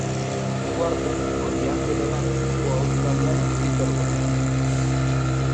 Cuarto, por diante de Ben, o australiano Peter Bol.